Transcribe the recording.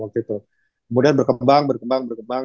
kemudian berkembang berkembang berkembang